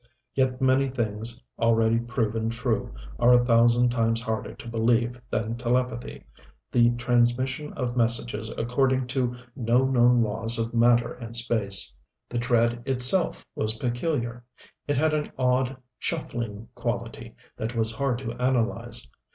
Yet many things already proven true are a thousand times harder to believe than telepathy the transmission of messages according to no known laws of matter and space. The tread itself was peculiar. It had an odd, shuffling quality that was hard to analyze.